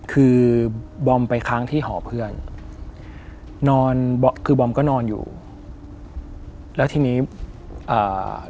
คือบอมไปค้างที่หอเพื่อนนอนบอมคือบอมก็นอนอยู่แล้วทีนี้อ่า